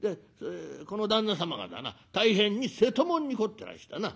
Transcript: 「この旦那様がだな大変に瀬戸物に凝ってらしてな」。